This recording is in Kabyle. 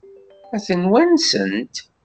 Ad ten-wansent?